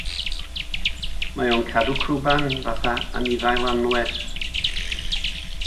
Mae o'n cadw crwban fatha anifail anwes.